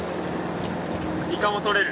イカも取れる。